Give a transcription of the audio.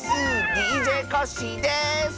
ＤＪコッシーです！